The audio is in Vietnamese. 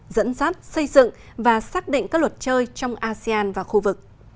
dẫn dắt xây dựng và xác định các luật chơi trong asean và khu vực